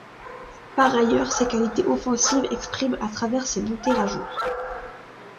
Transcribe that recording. Par ailleurs, ses qualités offensives s'expriment à travers ses montées rageuses.